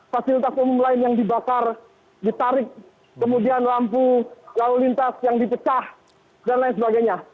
fasilitas umum lain yang dibakar ditarik kemudian lampu lalu lintas yang dipecah dan lain sebagainya